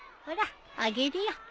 ほらあげるよ。